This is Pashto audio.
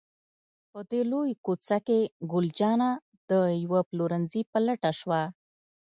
په دې لویه کوڅه کې، ګل جانه د یوه پلورنځي په لټه شوه.